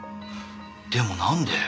でもなんで？